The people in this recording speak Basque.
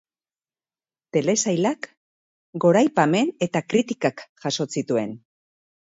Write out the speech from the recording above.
Telesailak goraipamen eta kritikak jaso zituen.